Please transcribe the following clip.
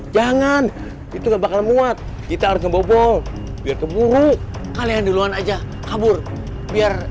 jangan itu bakal muat kita harus ngebobol biar keburu kalian duluan aja kabur biar